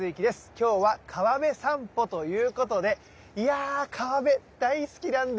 今日は川辺さんぽということでいや川辺大好きなんですよ。